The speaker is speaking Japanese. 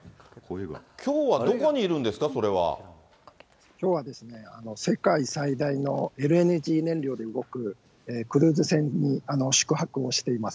きょうはどこにいるんきょうはですね、世界最大のＬＮＧ燃料で動くクルーズ船に宿泊をしております。